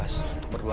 pas untuk berdua